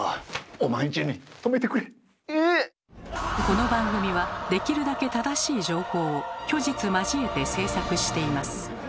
この番組はできるだけ正しい情報を虚実交えて制作しています。